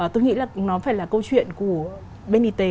tôi nghĩ là nó phải là câu chuyện của benite